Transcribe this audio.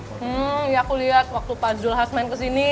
hmm ya aku lihat waktu pak zul has main ke sini